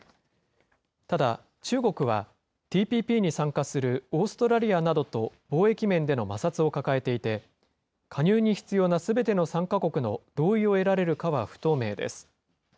ただ、中国はＴＰＰに参加するオーストラリアなどと貿易面での摩擦を抱えていて、加入に必要なすべての参加国の同意を得られるかは不透明です。